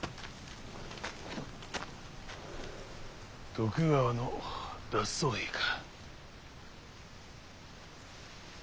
徳川の脱走兵か？